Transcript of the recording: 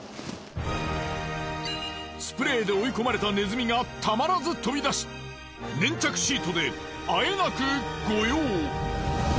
スプレーで追い込まれたネズミがたまらず飛び出し粘着シートであえなくご用。